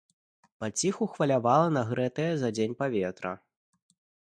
Паціху хвалявала нагрэтае за дзень паветра.